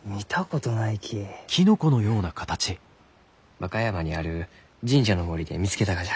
和歌山にある神社の森で見つけたがじゃ。